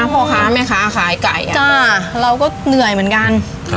พ่อค้าแม่ค้าขายไก่เราก็เหนื่อยเหมือนกัน